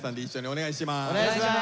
お願いします。